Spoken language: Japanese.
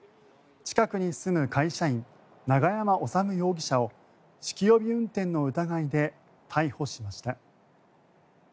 近くに住む会社員永山修容疑者を酒気帯び運転の疑いで逮捕しました。